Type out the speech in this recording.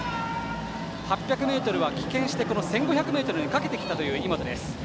８００ｍは棄権して１５００ｍにかけてきたという井本です。